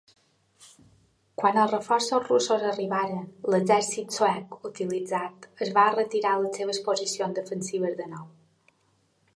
Quan els reforços russos arribaren, l'exèrcit suec utilitzat es va retirar a les seves posicions defensives de nou.